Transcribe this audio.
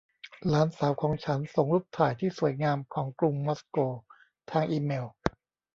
หลานสาวของฉันส่งรูปถ่ายที่สวยงามของกรุงมอสโกทางอีเมล